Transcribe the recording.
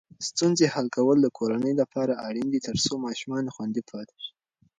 ستونزې حل کول د کورنۍ لپاره اړین دي ترڅو ماشومان خوندي پاتې شي.